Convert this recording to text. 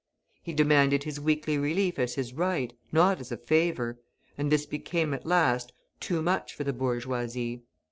He demanded his weekly relief as his right, not as a favour, and this became, at last, too much for the bourgeoisie.